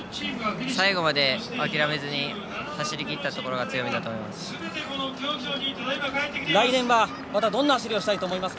最後まで諦めずに走りきったところが強みだと思います。